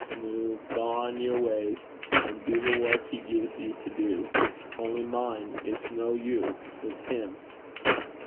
Noo gang yer wa's, and do the wark he gies ye to do. Only min', it's no you; it's him.'